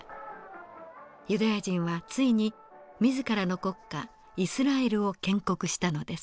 ユダヤ人はついに自らの国家イスラエルを建国したのです。